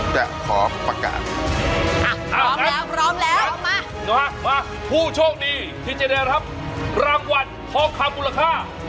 เฉพาะที่จะได้รับรางวัลฮอล์ความรุนค่า